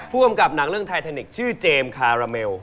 ผู้กำกับหนังเรื่องไทแทนิกชื่อเจมส์คาราเมล